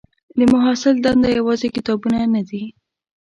د محصل دنده یوازې کتابونه نه دي.